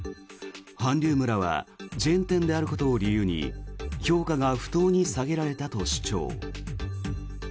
韓流村はチェーン店であることを理由に評価が不当に下げられたと主張。